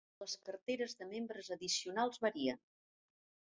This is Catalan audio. Les carteres de membres addicionals varien.